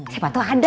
siapa tuh ada